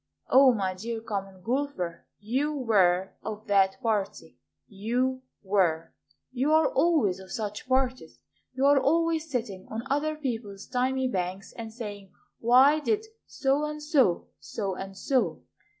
O, my dear Common Golfer, You were of that party; You were; You are always of such parties, You are always sitting On other people's thymy banks, And saying, "Why did So and so so and so?"